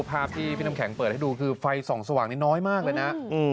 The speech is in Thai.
ภาพที่พี่น้ำแข็งเปิดให้ดูคือไฟส่องสว่างนี้น้อยมากเลยนะ